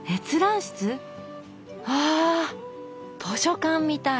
わあ図書館みたい。